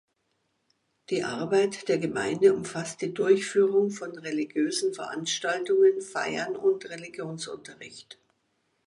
Die Arbeit der Gemeinde umfasst die Durchführung von religiösen Veranstaltungen, Feiern und Religionsunterricht.